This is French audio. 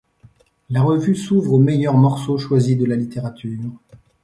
La revue s'ouvre aux meilleurs morceaux choisis de la littérature.